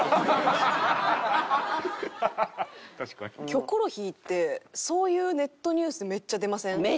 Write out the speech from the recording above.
『キョコロヒー』ってそういうネットニュースめっちゃ出ません？